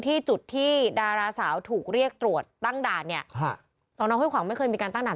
เพราะว่าปรูสชานทุกคืนเนอะ